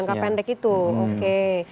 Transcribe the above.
karena tergantung dari dosisnya